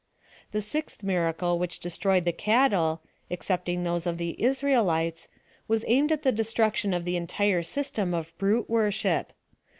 The sixth miracle which destroyed the cattle, excepting those of the Israelites, was aimed at the destruction of the entire system of brute worship.